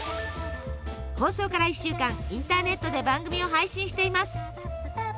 放送から一週間インターネットで番組を配信しています。